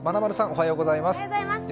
おはようございます。